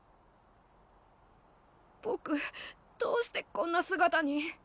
ぼくどうしてこんな姿に？